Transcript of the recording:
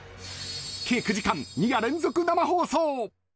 計９時間、２夜連続生放送。